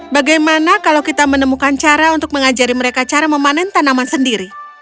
bagaimana kalau kita menemukan cara untuk mengajari mereka cara memanen tanaman sendiri